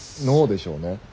ノーでしょうね。